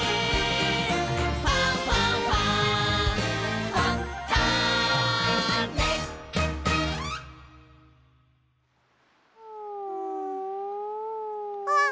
「ファンファンファン」あっ。